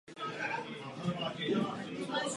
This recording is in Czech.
Toto však obnáší již hluboké studium juda.